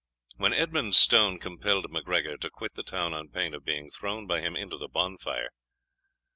when Edmondstone compelled MacGregor to quit the town on pain of being thrown by him into the bonfire.